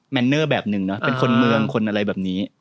เนอร์แบบหนึ่งเนอะเป็นคนเมืองคนอะไรแบบนี้